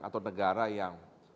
atau negara yang